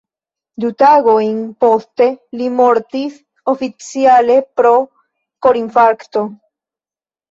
Du tagojn poste li mortis, oficiale pro korinfarkto.